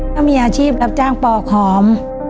ก็มีอาชีพรับจ้างปอกหอม